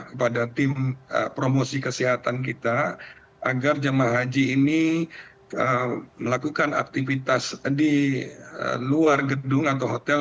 kepada tim promosi kesehatan kita agar jemaah haji ini melakukan aktivitas di luar gedung atau hotel